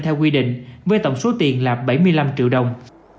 theo quy định với tổng số tiền là bảy mươi năm triệu đồng